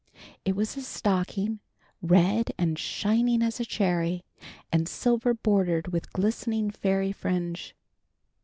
It was a stocking, red and shining as a cherry, and silver bordered with glistening fairy fringe.